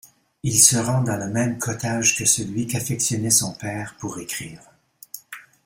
Il se rend dans le même cottage que celui qu'affectionnait son père pour écrire.